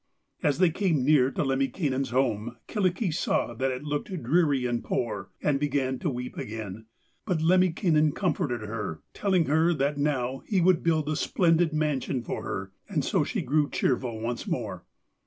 As they came near to Lemminkainen's home, Kyllikki saw that it looked dreary and poor, and began to weep again, but Lemminkainen comforted her, telling her that now he would build a splendid mansion for her, and so she grew cheerful once more.